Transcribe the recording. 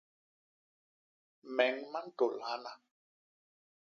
Meñ ma ntôl hana.